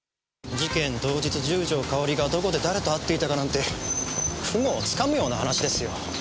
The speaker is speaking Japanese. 事件当日十条かおりがどこで誰と会っていたかなんて雲を掴むような話ですよ。